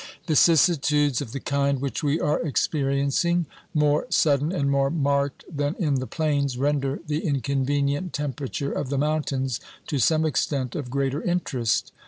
Vicissitudes of the kind which we are experiencing, more sudden and more marked than in the plains, render the inconvenient temperature of the mountains, to some extent, of greater interest.